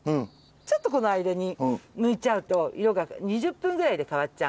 ちょっとこの間にむいちゃうと色が２０分ぐらいで変わっちゃうんですね。